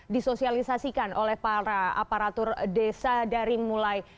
disosialisasikan oleh para aparatur desa dari mulai